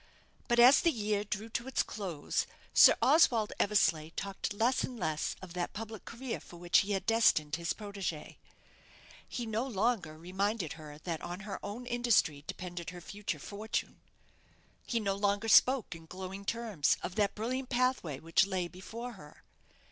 But as the year drew to its close, Sir Oswald Eversleigh talked less and less of that public career for which he had destined his protégée. He no longer reminded her that on her own industry depended her future fortune. He no longer spoke in glowing terms of that brilliant pathway which lay before her.